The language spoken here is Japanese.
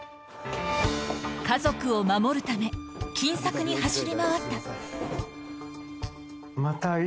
家族を守るため、金策に走り回った。